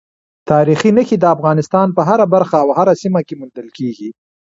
تاریخي نښې د افغانستان په هره برخه او هره سیمه کې موندل کېږي.